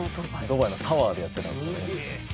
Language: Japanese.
ドバイのタワーでやってたんですよね